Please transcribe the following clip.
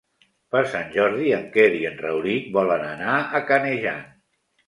Per Sant Jordi en Quer i en Rauric volen anar a Canejan.